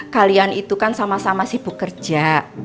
kalian itu kan sama sama sibuk kerja